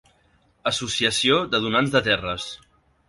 Associació de donants de terres.